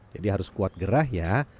jadi harus kuat gerah ya